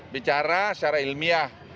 bicara secara ilmiah